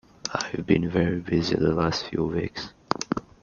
I've been very busy the last few weeks.